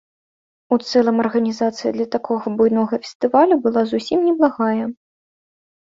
У цэлым арганізацыя для такога буйнога фестывалю была зусім неблагая.